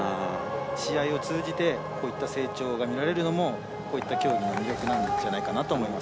試合を通じて成長が見られるのもこういった競技の見どころなんじゃないかと思います。